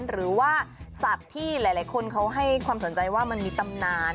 หรือว่าสัตว์ที่หลายคนเขาให้ความสนใจว่ามันมีตำนาน